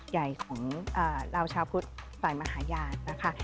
ใหญ่ของเราชาวพุทธฝ่ายมหาญาณนะคะ